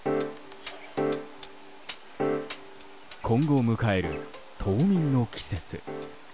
今後、迎える冬眠の季節。